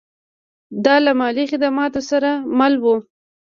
دا له مالي خدماتو سره مل و